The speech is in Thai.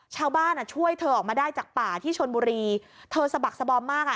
ชาวบ้านอ่ะช่วยเธอออกมาได้จากป่าที่ชนบุรีเธอสะบักสบอมมากอ่ะ